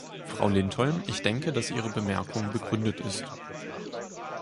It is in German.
Frau Lindholm, ich denke, dass Ihre Bemerkung begründet ist.